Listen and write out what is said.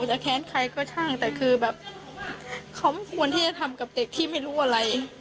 จะแค้นใครก็ช่างแต่คือแบบเขาไม่ควรที่จะทำกับเด็กที่ไม่รู้อะไร